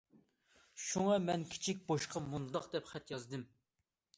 شۇڭا مەن كىچىك بوشقا مۇنداق دەپ خەت يازدىم.